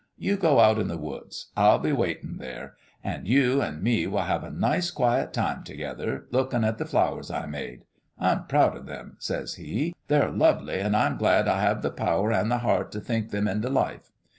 You go out in the woods. I'll be waitin' there ; an' you an' me will have a nice quiet time t'gether, lookin' at the flowers I made. I'm proud o' them,' says He. ' They're lovely ; an' I'm glad I have the power an' the heart t' think them into life.